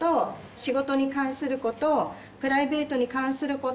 仕事に関することプライベートに関すること